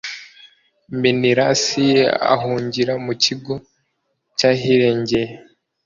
menelasi ahungira mu kigo cy'ahirengeye